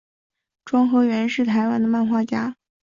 庄河源是台湾的漫画家。